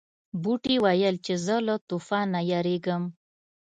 بوټي ویل چې زه له طوفان نه یریږم.